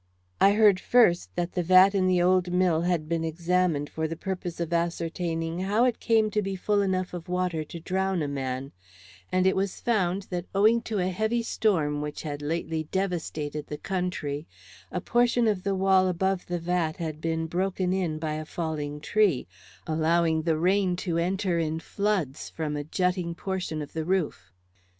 I heard first that the vat in the old mill had been examined for the purpose of ascertaining how it came to be full enough of water to drown a man; and it was found that, owing to a heavy storm which had lately devastated the country, a portion of the wall above the vat had been broken in by a falling tree, allowing the rain to enter in floods from a jutting portion of the roof.